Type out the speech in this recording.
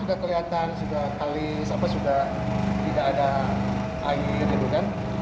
sudah kelihatan sudah kali sudah tidak ada air gitu kan